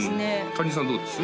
かりんさんどうです？